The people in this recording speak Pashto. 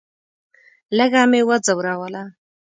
لږه مې وځوروله.